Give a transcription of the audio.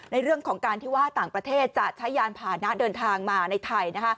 ในเรื่องของการที่ว่าต่างประเทศจะใช้ยานผ่านะเดินทางมาในไทย